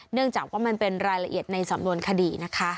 เนื่องจากว่ามันเป็นรายละเอียดในสำนวนคดีนะคะ